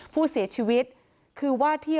ผู้เสียชีวิตคือว่าที่